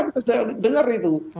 kita sudah dengar itu